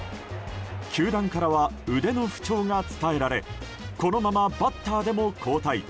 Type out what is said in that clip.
球団からは腕の不調が伝えられこのままバッターでも交代。